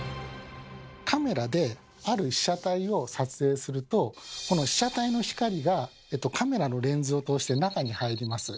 カメラである被写体を撮影するとこの被写体の光がカメラのレンズを通して中に入ります。